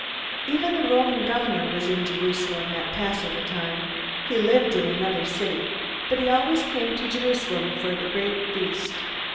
Even the Roman governor was in Jerusalem at Passover time. He lived in another city, but he always came to Jerusalem for the great feast.